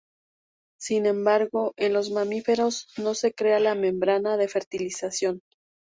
Sin embargo, en los mamíferos no se crea la membrana de fertilización.